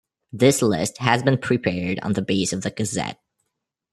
This list has been prepared on the base of the Gazette.